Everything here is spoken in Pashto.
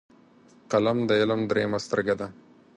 قلم د علم دریمه سترګه ده